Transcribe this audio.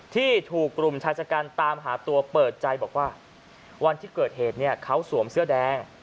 ที่ถูกกลุ่มชายชะกันตามหาตัวเปิดใจบอกว่าวันที่เกิดเหตุเนี่ยเขาสวมเสื้อแดง